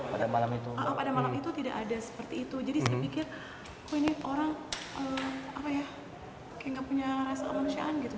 pada malam itu tidak ada seperti itu jadi saya pikir kok ini orang kayak nggak punya rasa kemanusiaan gitu